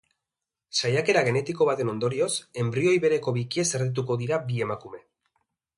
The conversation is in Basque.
Saiakera genetiko baten ondorioz, enbrioi bereko bikiez erdituko dira bi emakume.